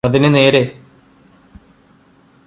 അതിന് നേരെ